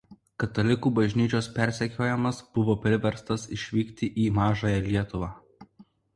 Katalikų bažnyčios persekiojamas buvo priverstas išvykti į Mažąją Lietuvą.